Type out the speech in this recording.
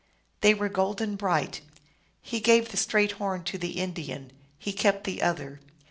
1 They were golden bright. He gave the straight horn to the Indian ; he kept the other.